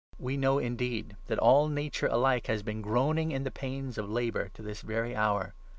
We know, indeed, 22 that all Nature alike has been groaning in the pains of labour to this very hour.